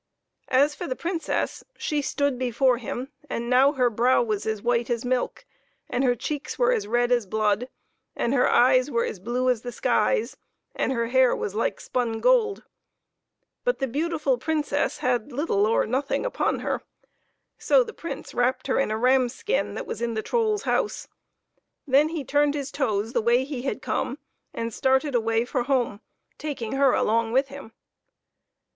As for the Princess, she stood before him, and now her brow was as white as milk, and her cheeks were as red as blood, and her eyes were as blue as the skies, and her hair was like spun gold. But the beautiful Princess had little or nothing upon her, so the Prince wrapped her in a ram's skin that was in the troll's house. Then THE BIRD IN THE LINDEN TREE. 95 he turned his toes the way he had come, and started away for home, taking her along with him.